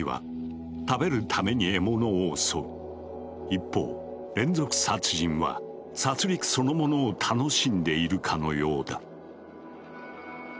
一方連続殺人は殺りくそのものを楽しんでいるかのようだ。